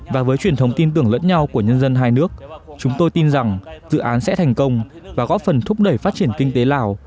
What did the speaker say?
và với truyền thống tin tưởng lẫn nhau của nhân dân hai nước chúng tôi tin rằng dự án sẽ thành công và góp phần thúc đẩy phát triển kinh tế lào